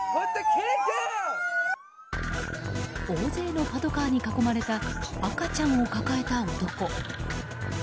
大勢のパトカーに囲まれた赤ちゃんを抱えた男。